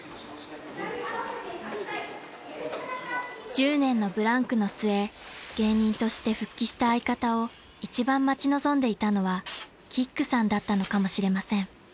［１０年のブランクの末芸人として復帰した相方を一番待ち望んでいたのはキックさんだったのかもしれません］